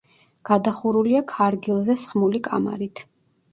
გადახურულია ქარგილზე სხმული კამარით.